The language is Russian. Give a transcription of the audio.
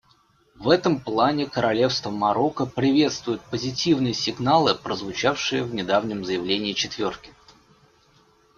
В этом плане Королевство Марокко приветствует позитивные сигналы, прозвучавшие в недавнем заявлении «четверки».